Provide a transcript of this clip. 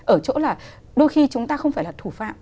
ở chỗ là đôi khi chúng ta không phải là thủ phạm